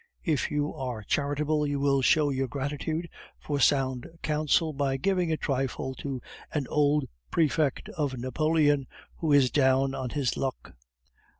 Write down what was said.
If you are charitable, you will show your gratitude for sound counsel by giving a trifle to an old prefect of Napoleon who is down on his luck."